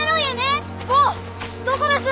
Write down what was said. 坊どこです？